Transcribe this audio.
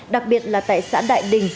đặc biệt là tại xã đại đình